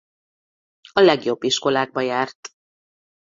A legjobb iskolákba járt.